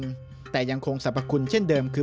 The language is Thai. ยาแผนปัจจุบันแต่ยังคงสรรพคุณเช่นเดิมคือ